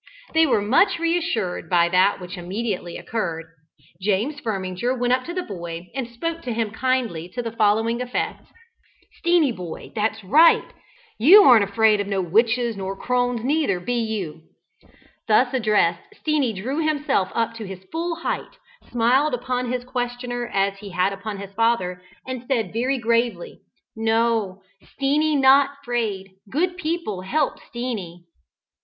They were much reassured by that which immediately occurred. James Firminger went up to the boy and spoke to him kindly to the following effect. "Steenie boy, that's right! You won't run, will you, lad? You ban't afraid of no witches nor crones neither, be you?" Thus addressed, Steenie drew himself up to his full height, smiled upon his questioner as he had upon his father, and said very gravely. "No. Steenie not 'fraid. Good people help Steenie."